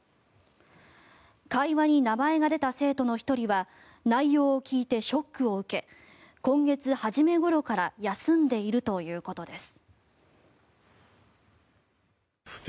会話に名前が出た生徒の１人は内容を聞いてショックを受け今月初めごろから休んでいるということです。